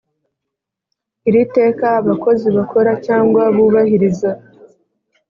iri teka abakozi bakora cyangwa bubahiriza